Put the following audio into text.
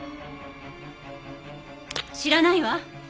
知らないわ。